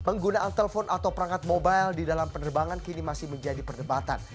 penggunaan telepon atau perangkat mobile di dalam penerbangan kini masih menjadi perdebatan